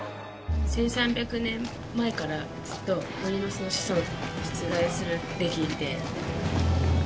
１３００年前からずっと鬼の子孫が実在するって聞いて。